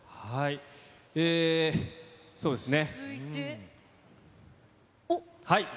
そうですね。